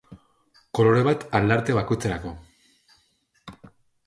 Kolore bat aldarte bakoitzerako.